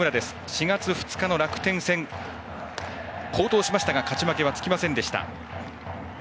４月２日の楽天戦好投しましたが勝ち負けはつきませんでした。